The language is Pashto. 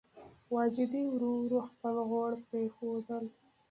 واجدې ورو ورو خپل غوړ پرېښودل.